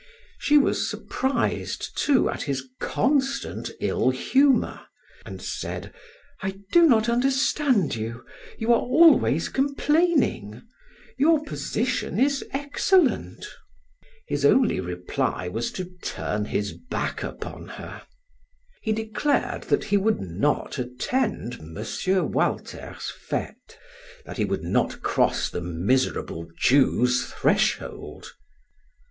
She was surprised, too, at his constant ill humor, and said: "I do not understand you. You are always complaining. Your position is excellent." His only reply was to turn his back upon her. He declared that he would not attend M. Walter's fete that he would not cross the miserable Jew's threshold.